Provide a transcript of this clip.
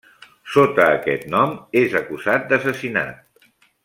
Sota aquest nom, és acusat d'assassinat.